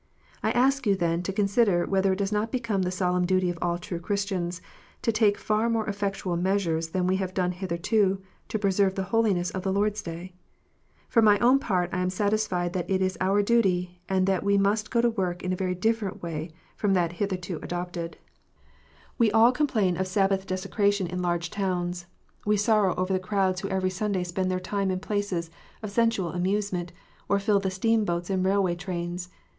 I ask you, then, to consider whether it does not become the solemn duty of all true Christians to take far more effectual measures than we have done hitherto, to preserve the holiness of the Lord s Day ? For my own part I am satisfied that it is our duty, and that we must go to work in a very different way from that hitherto adopted. THE SABBATH. 321 We all complain of Sabbath desecration in large towns : we sorrow over the crowds who every Sunday spend their time in places of sensual amusement, or fill the steamboats and railway trains.